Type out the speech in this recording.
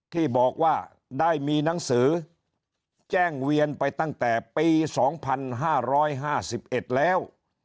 ที่บอกว่าได้มีหนังสือแจ้งเวียนไปตั้งแต่ปี๒๕๕๑แล้ว